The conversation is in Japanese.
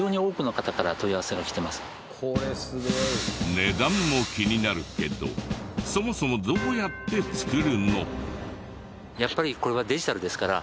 値段も気になるけどそもそもどうやって作るの？